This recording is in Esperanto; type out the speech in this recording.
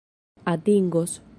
atingos